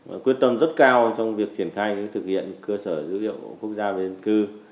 và quyết tâm rất cao trong việc triển khai thực hiện cơ sở dữ liệu quốc gia về dân cư